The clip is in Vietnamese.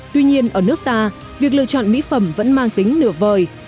tuy nhiên ở nước ta việc lựa chọn mỹ phẩm vẫn mang tính nửa vời